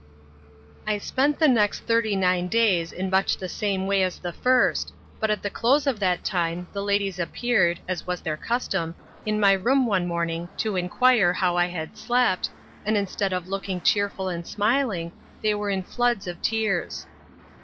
I spent the next thirty nine days in much the same way as the first, but at the close of that time the ladies appeared (as was their custom) in my room one morning to inquire how I had slept, and instead of looking cheerful and smiling they were in floods of tears.